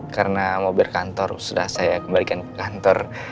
karena mobil kantor sudah saya kembalikan ke kantor